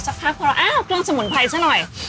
สักพักพอเราอ้าวกล้องสมุนไพรซะหน่อย